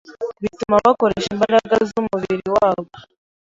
Bituma bakoresha imbaraga z’umubiri wabo